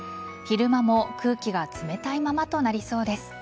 昼間も空気が冷たいままとなりそうです。